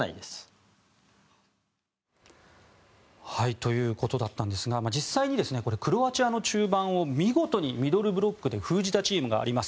ということだったんですが実際にクロアチアの中盤を見事にミドルブロックで封じたチームがあります。